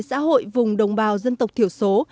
xã hội vùng đồng bào dân tộc thiểu số